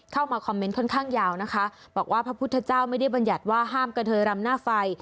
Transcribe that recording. เข้ามาคอมเมนต์ค่อนข้างยาวนะคะบอกว่าพระพุทธเจ้าไม่ได้บรรยัติว่าห้ามกระเทยรำหน้าไฟ